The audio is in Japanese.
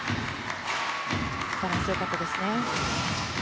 バランス良かったですね。